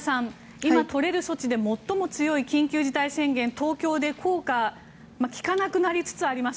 今、取れる措置で最も強い緊急事態宣言東京で効果が効かなくなりつつあります。